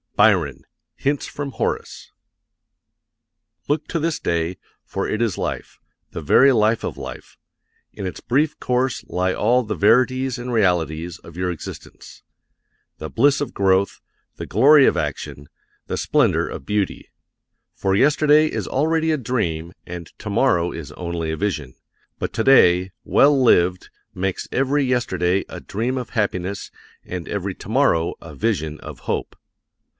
BYRON, Hints from Horace. Look to this day, for it is life the very life of life. In its brief course lie all the verities and realities of your existence: the bliss of growth, the glory of action, the splendor of beauty. For yesterday is already a dream and tomorrow is only a vision; but today, well lived, makes every yesterday a dream of happiness and every tomorrow a vision of hope.